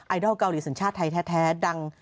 ดอลเกาหลีสัญชาติไทยแท้ดัง